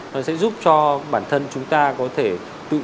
nó sẽ giúp cho bản thân chúng ta có thể tự